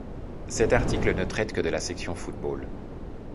Cet article ne traite que de la section football.